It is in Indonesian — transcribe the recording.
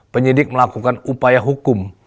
penyidik melakukan upaya penyidik